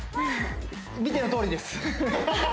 見てのとおりです